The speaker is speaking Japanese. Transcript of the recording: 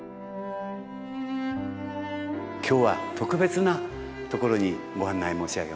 今日は特別な所にご案内申し上げます。